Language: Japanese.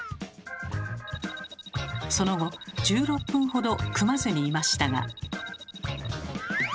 その後１６分ほど組まずにいましたが。